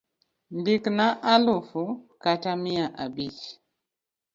Ndikna alufu kata mia abich.